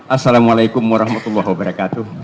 assalamu'alaikum warahmatullahi wabarakatuh